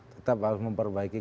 tetap harus memperbaiki